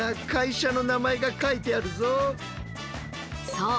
そう！